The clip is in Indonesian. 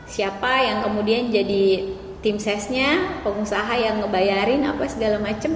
siapa yang kemudian jadi tim sesnya pengusaha yang ngebayarin apa segala macem